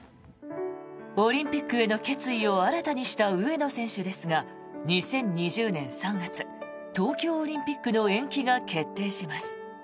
オリンピックへの決意を新たにした上野選手ですが２０２０年３月東京オリンピックの延期が決定します。